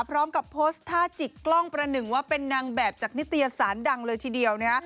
พร้อมกับโพสต์ท่าจิกกล้องประหนึ่งว่าเป็นนางแบบจากนิตยสารดังเลยทีเดียวนะฮะ